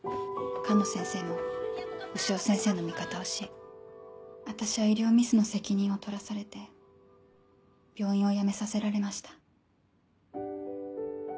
寒野先生も潮先生の味方をし私は医療ミスの責任を取らされて病院を辞めさせられました。